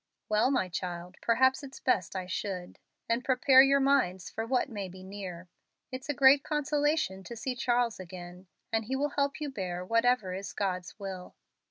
"Well, my child, perhaps it's best I should, and prepare your minds for what may be near. It's a great consolation to see Charles again, and he will help you bear whatever is God's will."